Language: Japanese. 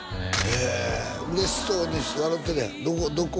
へえ嬉しそうに笑うてるやんどこ？